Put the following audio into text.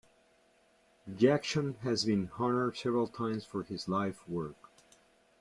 Jackson has been honoured several times for his life's work.